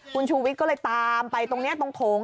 คุณชูวิทย์ก็เลยตามไปตรงนี้ตรงโถง